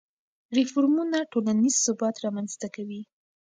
ریفورمونه ټولنیز ثبات رامنځته کوي.